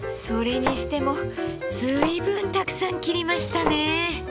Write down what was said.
それにしても随分たくさん切りましたね。